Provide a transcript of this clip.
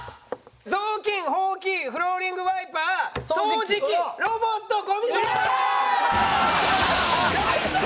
ぞうきんほうきフローリングワイパー掃除機ロボットゴミ箱！